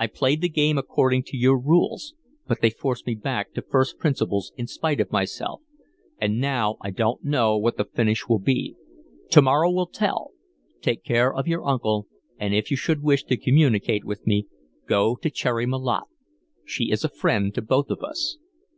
I played the game according to your rules, but they forced me back to first principles in spite of myself, and now I don't know what the finish will be. To morrow will tell. Take care of your uncle, and if you should wish to communicate with me, go to Cherry Malotte. She is a friend to both of us.